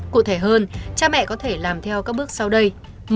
cụ thể hơn cha mẹ có thể làm theo các bước sau đây